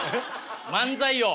漫才を！